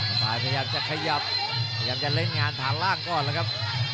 ฝ่ายพยายามจะขยับพยายามจะเล่นงานฐานล่างก่อนแล้วครับ